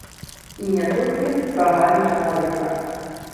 І не толькі з правамі чалавека.